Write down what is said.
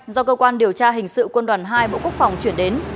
do cơ quan điều tra hình sự quân đoàn hai bộ quốc phòng chuyển đến